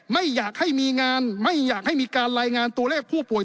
ไม่อยากให้มีงานไม่อยากให้มีการรายงานตัวเลขผู้ป่วย